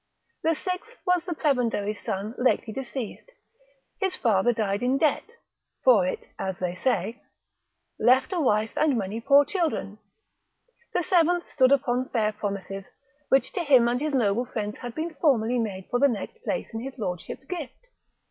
The sixth was the prebendary's son lately deceased, his father died in debt (for it, as they say), left a wife and many poor children. The seventh stood upon fair promises, which to him and his noble friends had been formerly made for the next place in his lordship's gift.